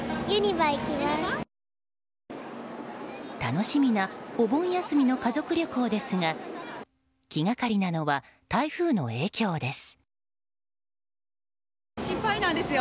楽しみなお盆休みの家族旅行ですが気がかりなのは台風の影響です。